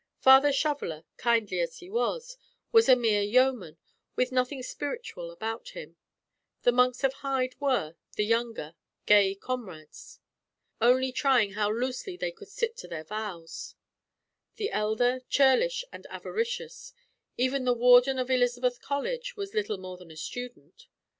Father Shoveller, kindly as he was, was a mere yeoman with nothing spiritual about him; the monks of Hyde were, the younger, gay comrades, only trying how loosely they could sit to their vows; the elder, churlish and avaricious; even the Warden of Elizabeth College was little more than a student.